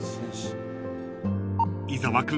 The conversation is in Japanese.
［伊沢君